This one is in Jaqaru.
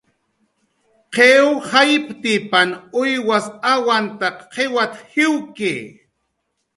"Qiw jayptipan uyws awantaq qiwat"" jiwki "